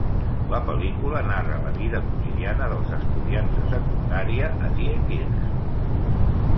La pel·lícula narra la vida quotidiana dels estudiants de secundària a Diekirch.